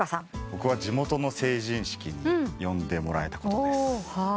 僕は地元の成人式に呼んでもらえたことです。